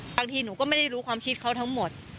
บางทีหนูก็ไม่ได้รู้ความคิดเขาทั้งหมด